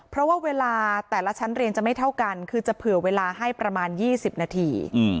เพราะว่าเวลาแต่ละชั้นเรียนจะไม่เท่ากันคือจะเผื่อเวลาให้ประมาณ๒๐นาที